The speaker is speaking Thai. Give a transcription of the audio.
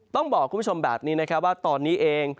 ต้องบอกคุณผู้ชมแบบนี้นะครับว่าตอนนี้เอง